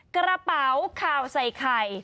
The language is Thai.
กระเป๋าข่าวใส่ไข่